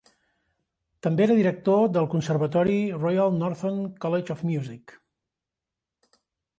També era director del conservatori Royal Northern College of Music.